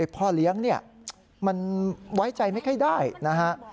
พ่อเลี้ยงเนี่ยมันไว้ใจไม่ค่อยได้นะฮะ